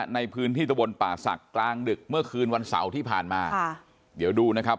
ในพื้นที่ตะบนป่าศักดิ์กลางดึกเมื่อคืนวันเสาร์ที่ผ่านมาค่ะเดี๋ยวดูนะครับ